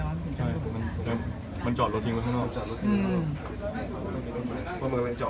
มันจอดรถทิ้งไปข้างนอก